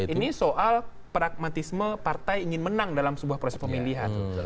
ini soal pragmatisme partai ingin menang dalam sebuah proses pemilihan